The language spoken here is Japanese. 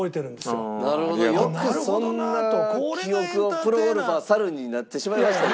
よくそんな記憶を『プロゴルファー猿』になってしまいましたね。